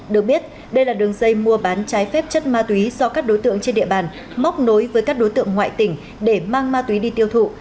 được biết đây là đường dây mua bán trái phép chất ma túy do các đối tượng trên địa bàn móc nối với các đối tượng ngoại tỉnh để mang ma túy đi tiêu thụ